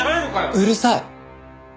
うるさい。